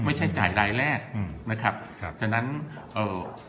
ไม่ใช่จ่ายรายแรกอืมนะครับครับฉะนั้นเอ่อ